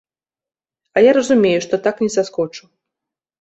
А я разумею, што так не саскочу.